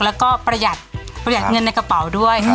แล้วก็ประหยัดเงินในกระเป๋าด้วย